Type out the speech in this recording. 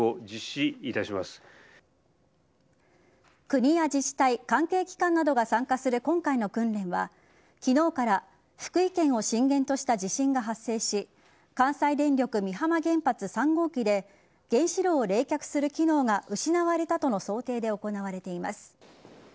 国や自治体関係機関などが参加する今回の訓練は昨日から福井県を震源とした地震が発生し関西電力・美浜原発３号機で原子量を冷却する機能が失われたとの想定で行われています。